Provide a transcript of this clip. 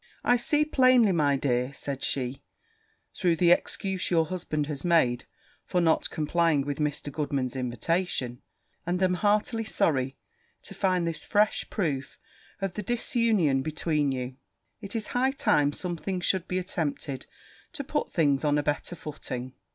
'I see plainly, my dear,' said she, 'through the excuse your husband has made for not complying with Mr. Goodman's invitation; and am heartily sorry to find this fresh proof of the disunion between you. It is high time something should be attempted to put things on a better footing.